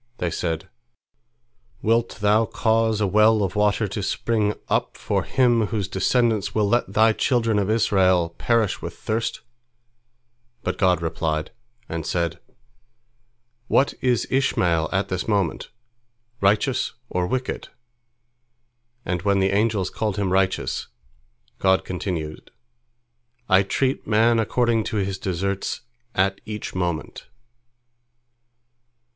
They said, "Wilt Thou cause a well of water to spring up for him whose descendants will let Thy children of Israel perish with thirst?" But God replied, and said, "What is Ishmael at this moment—righteous or wicked?" and when the angels called him righteous, God continued, "I treat man according to his deserts at each moment."